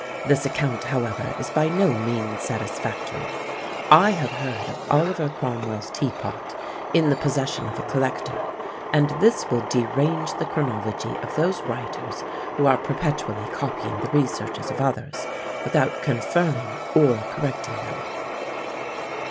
This account, however, is by no means satisfactory. I have heard of Oliver Cromwell's tea pot in the possession of a collector, and this will derange the chronology of those writers who are perpetually copying the researches of others, without confirming or correcting them.